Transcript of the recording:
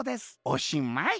おしまい」。